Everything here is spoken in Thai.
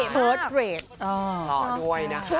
เก่งมาก